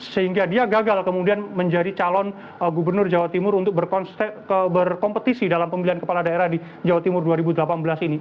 sehingga dia gagal kemudian menjadi calon gubernur jawa timur untuk berkompetisi dalam pemilihan kepala daerah di jawa timur dua ribu delapan belas ini